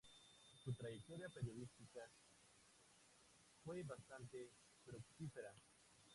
Su trayectoria periodística fue bastante fructífera.